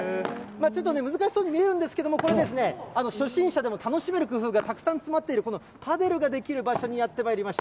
ちょっとね、難しそうに見えるんですけれども、これですね、初心者でも楽しめる工夫がたくさん詰まっているこのパデルができる場所にやって参りました。